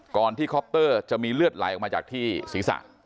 คอปเตอร์จะมีเลือดไหลออกมาจากที่ศีรษะ